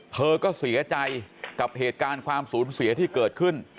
เธอก็เสียใจกับเหตุการณ์ความสูญเสียที่เกิดขึ้น